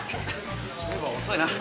そういえば遅いな。